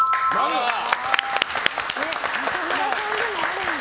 中村さんでもあるんだ。